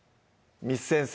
簾先生